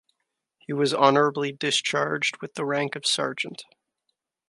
He was honorably discharged with the rank of Sergeant.